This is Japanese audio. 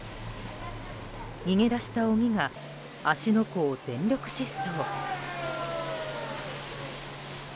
逃げ出した鬼が芦ノ湖を全力疾走。